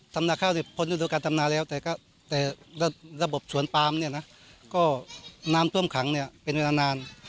ทำนาข้าวผลอยู่โดยการทำนาแล้วแต่ก็แต่ระบบสวนปาล์มเนี้ยนะก็น้ำต้วมขังเนี้ยเป็นเวลานาน